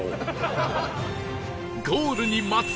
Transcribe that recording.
ゴールに待つ